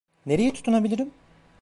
Nereye tutunabilirim?